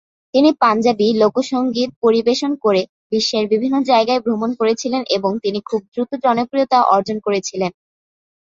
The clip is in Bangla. তিনি পাঞ্জাবি লোকসঙ্গীত পরিবেশন করে বিশ্বের বিভিন্ন জায়গায় ভ্রমণ করেছিলেন এবং তিনি খুব দ্রুত জনপ্রিয়তা অর্জন করেছিলেন।